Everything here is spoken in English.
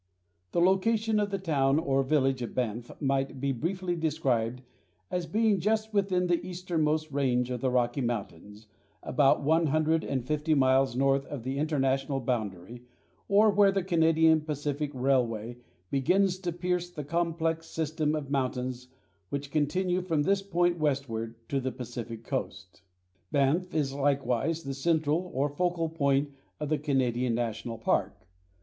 The location of the town or village of Banff might be briefly described as being just within the eastern most range of the Rocky Mountains, about one hundred and fifty miles north of the International boundary, or where the Canadian Pacific Railway begins to pierce the complex system of mountains which continue from this point westward to the Pacific coast. Banff is likewise the central or focal point of the Canadian National Park.